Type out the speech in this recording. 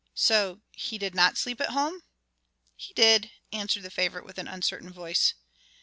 "So he did not sleep at home?" "He did," answered the favorite with an uncertain voice.